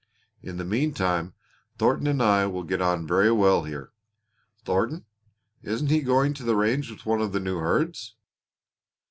In the meantime Thornton and I will get on very well here." "Thornton! Isn't he going to the range with one of the new herds?"